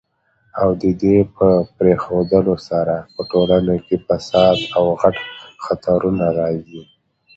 او ددي په پريښودلو سره په ټولنه کي فساد او غټ خطرونه راځي